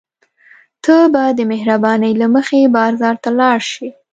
ته به د مهربانۍ له مخې بازار ته ولاړ شې.